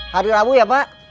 hari rabu ya pak